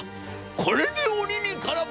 『これで鬼に金棒！